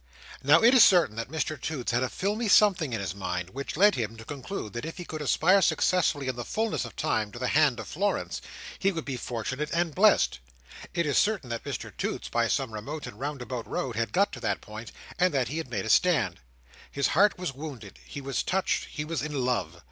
Now it is certain that Mr Toots had a filmy something in his mind, which led him to conclude that if he could aspire successfully in the fulness of time, to the hand of Florence, he would be fortunate and blest. It is certain that Mr Toots, by some remote and roundabout road, had got to that point, and that there he made a stand. His heart was wounded; he was touched; he was in love.